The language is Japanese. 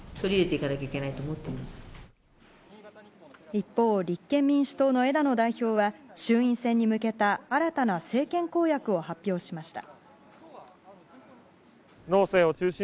一方、立憲民主党の枝野代表は衆院選に向けた新たな政権公約を発表しました。